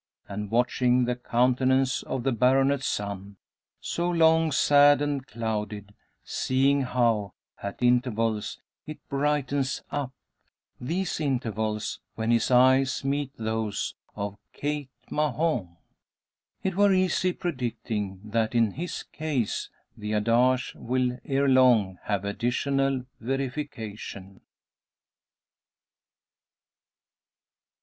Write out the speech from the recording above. And, watching the countenance of the baronet's son, so long sad and clouded, seeing how, at intervals, it brightens up these intervals when his eyes meet those of Kate Mahon it were easy predicting that in his case the adage will ere long have additional verification.